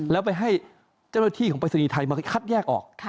แล้วไปให้เจ้าหน้าที่ของปรายศนีย์ไทยมาคัดแยกออก